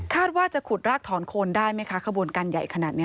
ว่าจะขุดรากถอนโคนได้ไหมคะขบวนการใหญ่ขนาดนี้